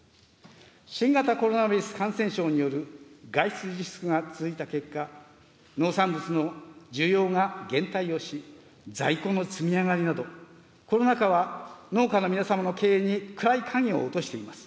新型コロナウイルス感染症による外出自粛が続いた結果、農産物の需要が減退をし、在庫の積み上がりなど、コロナ禍は農家の皆様の経営に暗い影を落としています。